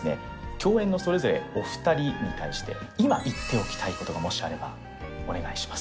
共演のそれぞれお二人に対して今言っておきたいことがもしあればお願いします